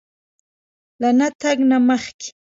له نه تګ نه مخکې